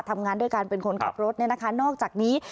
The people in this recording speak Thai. ทำงานด้วยกันเป็นคนขับรถเนี่ยนะคะนอกจากนี้